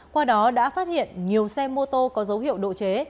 qua đó đã phát hiện nhiều xe mô tô có dấu hiệu độ chế